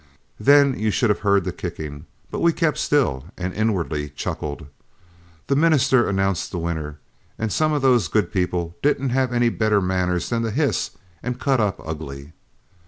Then you should have heard the kicking, but we kept still and inwardly chuckled. The minister announced the winner, and some of those good people didn't have any better manners than to hiss and cut up ugly.